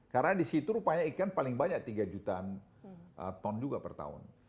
karena disitu rupanya ikan paling banyak tiga jutaan ton juga per tahun